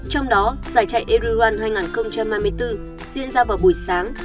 trong đó giải trại eru run hai nghìn hai mươi bốn diễn ra vào buổi sáng